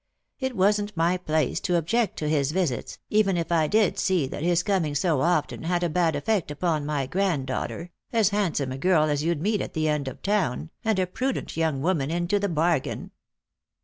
It wasn't my place to object to his visits, even if I did see that his coming so often had a bad effect upon my grand daughter — as handsome a girl as you'd meet at that end of town, and a prudent young woman into the bargain."